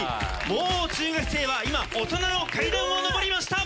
もう中学生は今大人の階段を上りました。